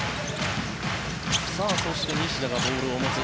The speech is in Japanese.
そして、西田がボールを持つ。